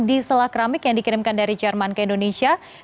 di selah keramik yang dikirimkan dari jerman ke indonesia